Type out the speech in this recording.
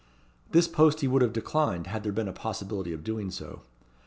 This post he would have declined, had there been a possibility of doing so.